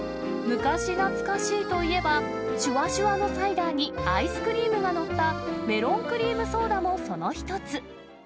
昔懐かしいといえば、しゅわしゅわのサイダーに、アイスクリームが載ったメロンクリームソーダもその一つ。